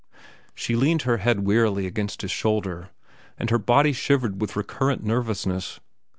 She leaned her head wearily against his shoulder, and her body shivered with recurrent nervousness.